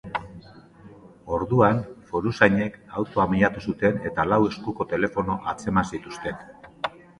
Orduan, foruzainek autoa miatu zuten eta lau eskuko telefono atzeman zituzten.